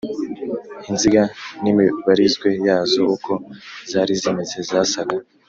Inziga n imibarizwe yazo uko zari zimeze zasaga